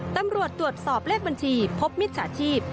ตำรวจตรวจสอบเลขบัญชีพบมิจฉาชีพ